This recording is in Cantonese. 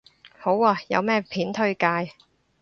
好啊，有咩片推介